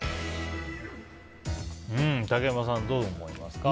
竹山さん、どう思いますか。